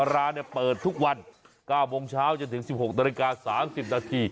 ร้านเปิดทุกวัน๙โมงเช้าจะถึง๑๖น๓๐น